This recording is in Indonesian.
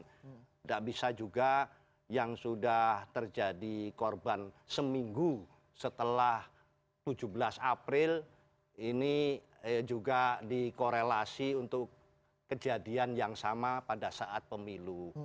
tidak bisa juga yang sudah terjadi korban seminggu setelah tujuh belas april ini juga dikorelasi untuk kejadian yang sama pada saat pemilu